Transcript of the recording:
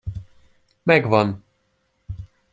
Megvan!